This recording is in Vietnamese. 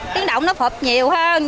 tiếng động nó phụt nhiều hơn